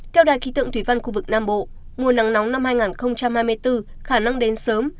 theo đài khí tượng thủy văn khu vực nam bộ mùa nắng nóng năm hai nghìn hai mươi bốn khả năng đến sớm